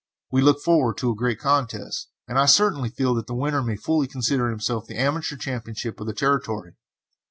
We look forward to a great contest, and I certainly feel that the winner may fully consider himself the Amateur Champion of the Territory.